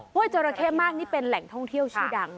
จราเข้มากนี่เป็นแหล่งท่องเที่ยวชื่อดัง